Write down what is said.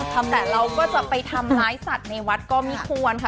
แต่เราก็จะไปทำร้ายสัตว์ในวัดก็ไม่ควรค่ะ